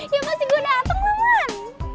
ya pasti gue dateng roman